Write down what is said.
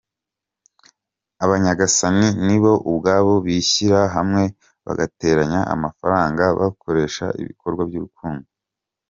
Abanyagasani nibo ubwabo bishyira hamwe bagateranya amafaranga bakoresha ibikorwa by’urukundo.